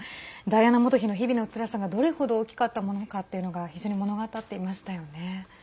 ダイアナ元妃の日々のつらさがどれほど大きかったものかっていうのが非常に物語っていましたよね。